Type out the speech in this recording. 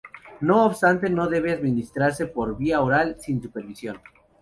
No obstante no debe administrarse por vía oral sin supervisión.